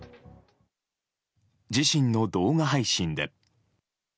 自身の動画配信で。